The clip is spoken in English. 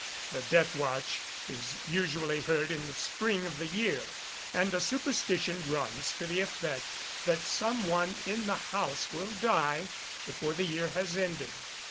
The death watch is usually heard in the spring of the year, and a superstition runs to the effect that some one in the house will die before the year has ended.